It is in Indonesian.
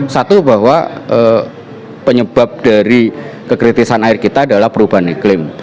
satu bahwa penyebab dari kekritisan air kita adalah perubahan iklim